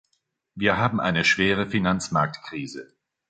Wir haben eine schwere Finanzmarktkrise.